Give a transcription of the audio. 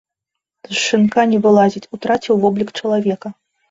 З шынка не вылазіць, утраціў воблік чалавека.